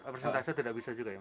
presentasi tidak bisa juga ya mas